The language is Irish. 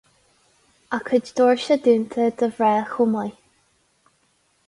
A cuid doirse dúnta do mhná chomh maith.